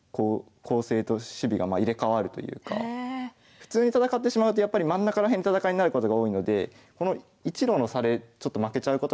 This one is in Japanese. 普通に戦ってしまうと真ん中ら辺で戦いになることが多いのでこの一路の差で負けちゃうことが多いんですよね。